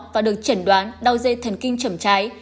và được chẩn đoán đau dây thần kinh trầm trái